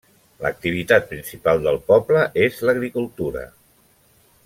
L'activitat principal del poble és l'agricultura.